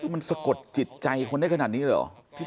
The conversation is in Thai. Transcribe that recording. มันสะกดจิตใจคนได้ขนาดนี้เลยเหรอ